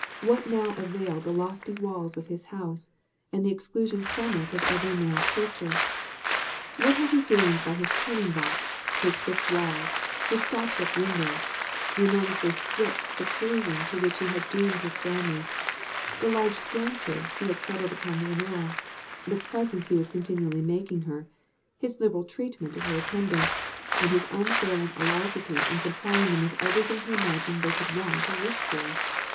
What now availed the lofty walls of his house, and the exclusion from it of every male creature? What had he gained by his turning box, his thick walls, his stopped up windows, the enormously strict seclusion to which he had doomed his family, the large jointure he had settled on Leonora, the presents he was continually making her, his liberal treatment of her attendants, and his unfailing alacrity in supplying them with everything he imagined they could want or wish for?